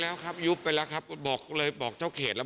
เราบอกเจ้าเขต